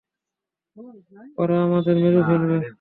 ওরা আমাদের মেরে ফেলবে।